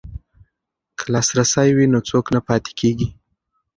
که لاسرسی وي نو څوک نه پاتې کیږي.